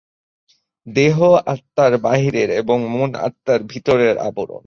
দেহ আত্মার বাহিরের এবং মন আত্মার ভিতরের আবরণ।